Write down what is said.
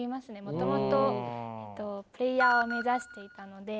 もともとプレーヤーを目指していたので。